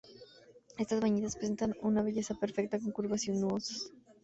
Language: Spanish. Estas bañistas presentan una belleza perfecta, con curvas sinuosas.